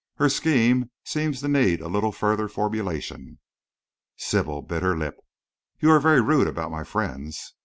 "Her schemes seem to need a little further formulation." Sybil bit her lip. "You are very rude about my friends."